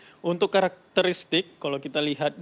ya baik mas eddy untuk karakteristik kalau kita lihat dan